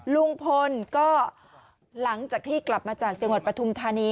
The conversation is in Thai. ลุงพลก็หลังจากที่กลับมาจากจังหวัดปฐุมธานี